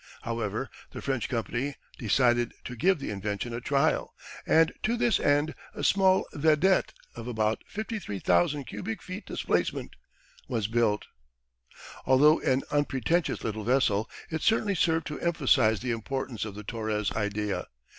However, the French company, decided to give the invention a trial, and to this end a small "vedette" of about 53,000 cubic feet displacement was built. Although an unpretentious little vessel, it certainly served to emphasise the importance of the Torres idea.